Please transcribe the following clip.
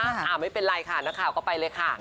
อ่าไม่เป็นไรค่ะนะค่ะก็ไปเลยค่ะ